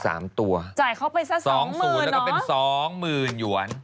จ่ายเข้าไปสัก๒๐๐๐๐หรอสองสูญแล้วก็เป็นสองหมื่นหยวน